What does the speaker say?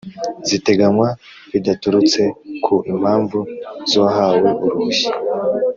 ziteganywa bidaturutse ku impamvu z’uwahawe uruhushya;